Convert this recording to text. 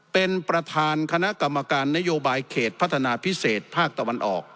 เป็นประธานคณะกรรมการนโยบายเขตพัฒนาพิเศษภาคตะวันออก